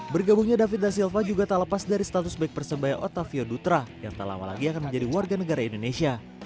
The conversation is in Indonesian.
bergabungnya david da silva juga tak lepas dari status baik persebaya otavio dutra yang tak lama lagi akan menjadi warga negara indonesia